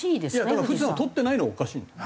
だから富士山は取ってないのがおかしいんだよ。